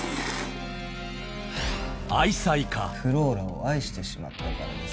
フローラを愛してしまったからです。